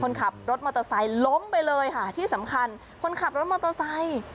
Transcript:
คนขับรถมอเตอร์ไซค์ล้มไปเลยค่ะที่สำคัญคนขับรถมอเตอร์ไซค์